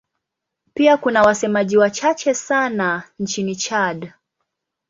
Pia kuna wasemaji wachache sana nchini Chad.